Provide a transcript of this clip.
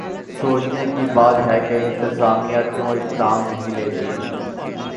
سوچنے کی بات ہے کہ انتظامیہ کیوں اقدام نہیں کرتی؟